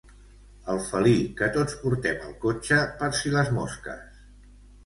El felí que tots portem al cotxe per si les mosques.